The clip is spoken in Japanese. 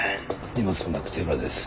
荷物もなく手ぶらです。